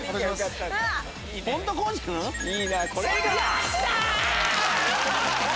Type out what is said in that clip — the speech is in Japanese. よっしゃ！